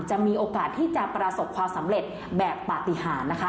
จะมีโอกาสที่จะประสบความสำเร็จแบบปฏิหารนะคะ